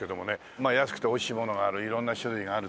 まあ安くて美味しいものがある色んな種類がある。